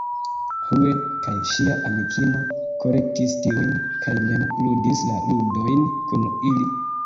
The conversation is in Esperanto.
Hue kaj ŝia amikino kolektis tiujn kaj mem ludis la ludojn kun ili.